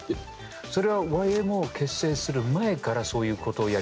それはＹＭＯを結成する前からそういうことをやりたかった？